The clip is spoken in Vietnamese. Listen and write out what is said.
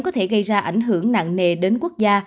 có thể gây ra ảnh hưởng nặng nề đến quốc gia